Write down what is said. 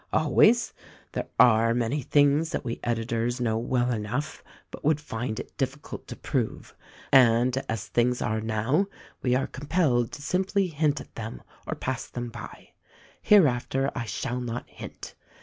Always, there are many things that we edi tors know well enough but would find it difficult to prove, 276 THE RECORDING ANGEL and as things are now we are compelled to simply hint at them or pass them by. Hereafter I shall not hint.